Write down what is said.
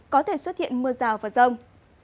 có thể xuất hiện mưa rào và rông